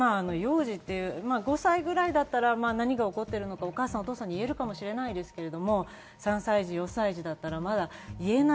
５歳ぐらいだったら何が起こってるのか、お父さん、お母さんに言えるかもしれないですけど３歳児、４歳児だったらまだ言えない。